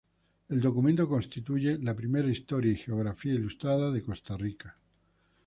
El documento constituye la primera historia y geografía ilustradas de Costa Rica.